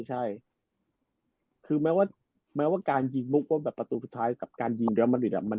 ใช่คือแม้ว่าการยิงมุมประตูสุดท้ายกับการยิงริมริจ